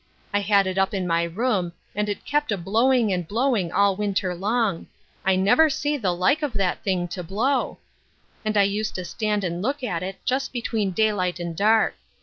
I had it up in my room, and it kept a blowing and blowing all winter long — I never see the like of that thing to blow I And I used to stand and look at it, just between daylight and dark.